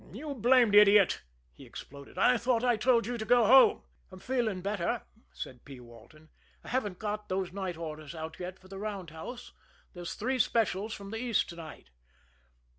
"You blamed idiot!" he exploded. "I thought I told you to go home!" "I'm feeling better," said P. Walton. "I haven't got those night orders out yet for the roundhouse. There's three specials from the East to night."